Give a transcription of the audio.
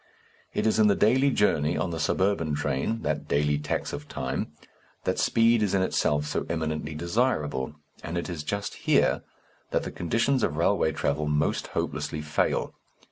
It is in the daily journey, on the suburban train, that daily tax of time, that speed is in itself so eminently desirable, and it is just here that the conditions of railway travel most hopelessly fail.